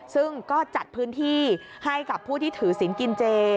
ซึ่งก็จัดพื้นที่ให้กับผู้ที่ถือศิลป์กินเจ